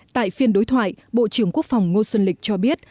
tại phiên đối thoại bộ trưởng quốc phòng ngô xuân lịch cho biết